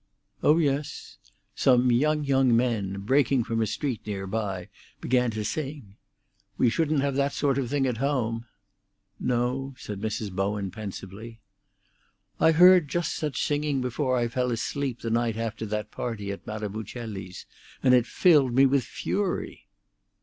"Oh yes." Some young young men, breaking from a street near by, began to sing. "We shouldn't have that sort of thing at home." "No," said Mrs. Bowen pensively. "I heard just such singing before I fell asleep the night after that party at Madame Uccelli's, and it filled me with fury."